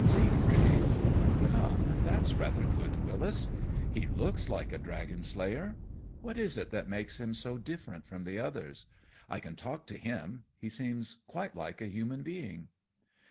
"Siegfried? Come, that's rather good, Wyllis. He looks like a dragon slayer. What is it that makes him so different from the others? I can talk to him; he seems quite like a human being."